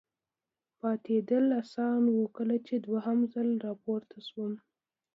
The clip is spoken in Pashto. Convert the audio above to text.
پاتېدل اسانه و، کله چې دوهم ځل را پورته شوم.